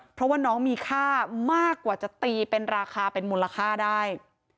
เพราะว่าน้องมีค่ามากกว่าจะตีเป็นราคาเป็นมูลค่าได้